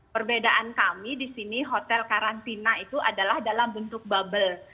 perbedaan kami di sini hotel karantina itu adalah dalam bentuk bubble